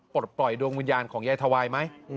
ปลดปล่อยดวงวิญญาณของยายทวายไหม